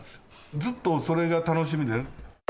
ずっとそれが楽しみで。